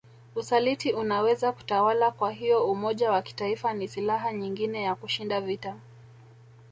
Usaliti unaweza kutawala kwahiyo umoja wa kitaifa ni silaha nyingine ya kushinda vita